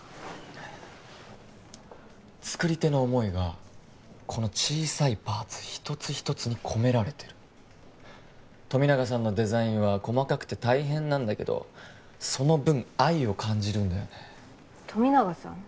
作り手の思いがこの小さいパーツ一つ一つに込められてる富永さんのデザインは細かくて大変なんだけどその分愛を感じるんだよね富永さん？